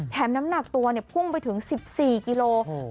แถมน้ำหนักตัวพุ่งไปถึง๑๔กิโลกรัม